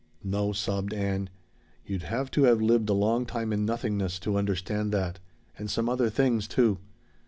"No," sobbed Ann, "you'd have to have lived a long time in nothingness to understand that and some other things, too."